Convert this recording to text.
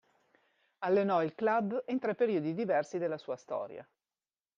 Allenò il club in tre periodi diversi della sua storia.